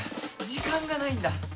時間がないんだ。